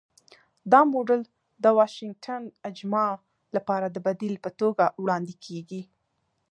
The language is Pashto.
دا موډل د 'واشنګټن اجماع' لپاره د بدیل په توګه وړاندې کېږي.